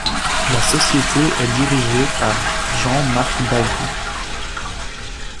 La société est dirigée par Jean-Marc Bally.